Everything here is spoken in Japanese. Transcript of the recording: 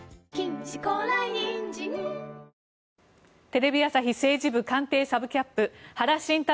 テレビ朝日政治部官邸サブキャップ